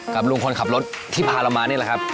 ลุงคนขับรถที่พาเรามานี่แหละครับ